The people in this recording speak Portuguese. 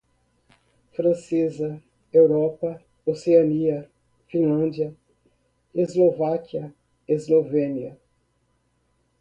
francesa, Europa, Oceania, Finlândia, Eslováquia, Eslovênia